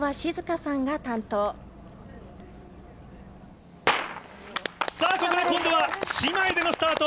さあ、ここで今度は、姉妹でのスタート。